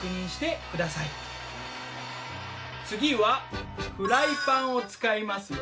次はフライパンを使いますよ。